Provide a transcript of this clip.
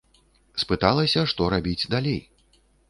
Спыталася, што рабіць далей?